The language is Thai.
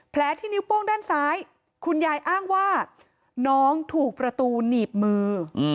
ที่นิ้วโป้งด้านซ้ายคุณยายอ้างว่าน้องถูกประตูหนีบมือ